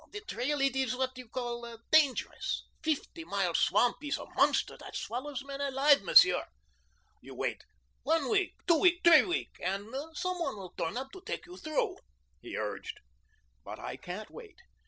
"The trail it ees what you call dangerous. Feefty Mile Swamp ees a monster that swallows men alive, Monsieur. You wait one week two week t'ree week, and some one will turn up to take you through," he urged. "But I can't wait.